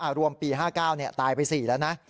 อ่ะรวมปี๕๙เนี่ยตายไป๔แล้วนะ